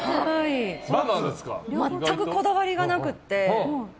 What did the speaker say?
全くこだわりがなくて。